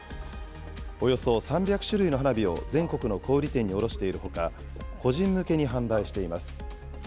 およそ３００種類の花火を全国の小売り店に卸しているほか、個人向けに販売しています。